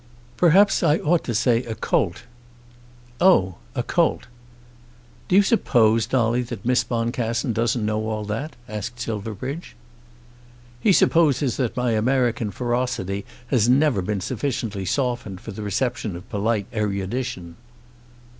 "Perhaps I ought to say a colt." "Oh, a colt." "Do you suppose, Dolly, that Miss Boncassen doesn't know all that?" asked Silverbridge. "He supposes that my American ferocity has never been sufficiently softened for the reception of polite erudition."